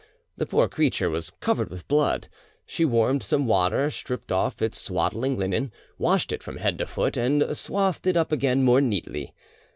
The poor creature was covered with blood; she warmed some water, stripped off its swaddling linen, washed it from head to foot, and swathed it up again more neatly.